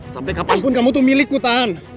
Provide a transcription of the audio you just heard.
sampai kapanpun kamu tuh milikku tan